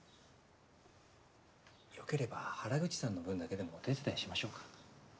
よければ原口さんの分だけでもお手伝いしましょうか？